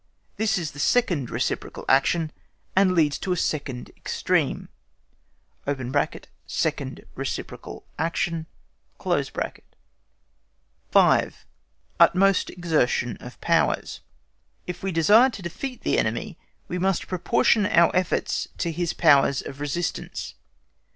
This is the second reciprocal action, and leads to a second extreme (second reciprocal action). 5. UTMOST EXERTION OF POWERS. If we desire to defeat the enemy, we must proportion our efforts to his powers of resistance.